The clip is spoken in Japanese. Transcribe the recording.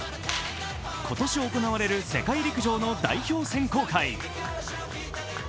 今年行われる世界陸上の代表選考会。